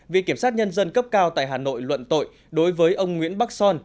viện kiểm sát nhân dân cấp cao tại hà nội luận tội đối với ông nguyễn bắc son